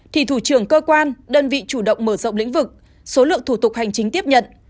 thì thủ trưởng cơ quan đơn vị chủ động mở rộng lĩnh vực số lượng thủ tục hành chính tiếp nhận